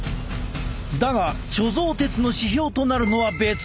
だが貯蔵鉄の指標となるのは別。